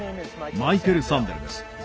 マイケル・サンデルです。